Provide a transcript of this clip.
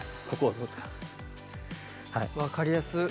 分かりやすっ。